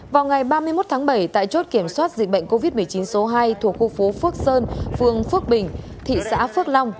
vào ngày ba mươi một tháng bảy tại chốt kiểm soát dịch bệnh covid một mươi chín số hai thuộc khu phố phước sơn phường phước bình thị xã phước long